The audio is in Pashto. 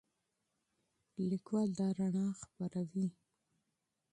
لیکوال دا رڼا خپروي.